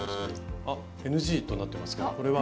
あＮＧとなってますけどこれは？